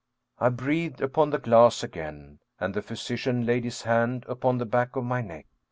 I breathed upon the glass again and the physician laid his hand upon the back of my neck.